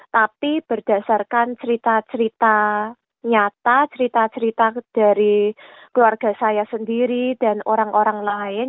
tapi berdasarkan cerita cerita nyata cerita cerita dari keluarga saya sendiri dan orang orang lain